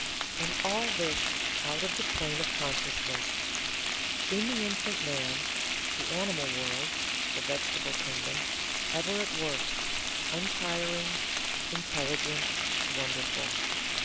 And all this out of the plane of consciousness in the infant man the animal world, the vegetable kingdom ever at work, untiring, intelligent, wonderful.